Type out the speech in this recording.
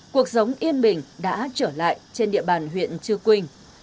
cuộc sống yên bình đã trở lại trên địa bàn huyện chư quynh